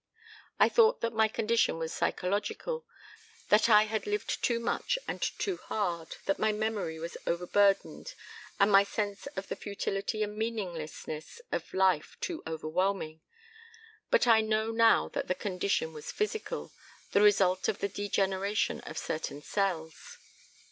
I thought that my condition was psychological, that I had lived too much and too hard, that my memory was over burdened and my sense of the futility and meaninglessness of life too overwhelming. But I know now that the condition was physical, the result of the degeneration of certain cells.